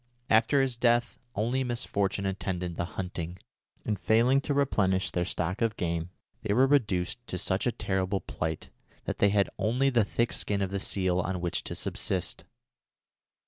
After his death only misfortune attended the hunting, and, failing to replenish their stock of game, they were reduced to such a terrible plight that they had only the thick skin of the seal on which to subsist.